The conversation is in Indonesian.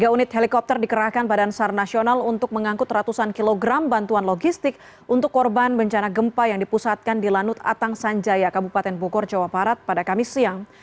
tiga unit helikopter dikerahkan badan sar nasional untuk mengangkut ratusan kilogram bantuan logistik untuk korban bencana gempa yang dipusatkan di lanut atang sanjaya kabupaten bogor jawa barat pada kamis siang